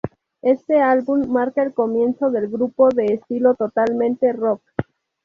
Éste álbum marca el comienzo del grupo, de estilo totalmente rock.